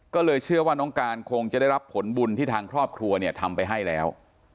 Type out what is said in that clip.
ก็เลยเชื่อว่าน้องการคงจะได้รับผลบุญที่ทางครอบครัวเนี่ยทำไปให้แล้ว